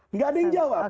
nggak ada yang jawab